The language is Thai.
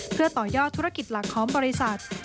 เพื่อต่อยอดธุรกิจหลักของบริษัท